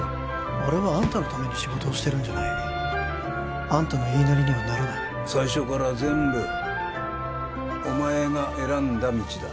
俺はあんたのために仕事をしてるんじゃないあんたの言いなりにはならない最初から全部お前が選んだ道だ